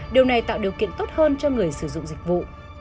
điều này tạo điều kiện tốt hơn cho người sử dụng dịch vụ